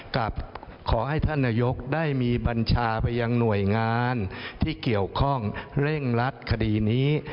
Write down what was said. กับขอให้ท่านนายกได้มีบัญชาไปยังหน่วยงานที่เกี่ยวข้องเร่งรัดคดีนี้